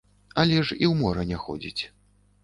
Але ж і ў мора не ходзіць.